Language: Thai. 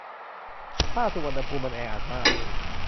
ถ้าสุวรรณภูมิมันแออัดมาก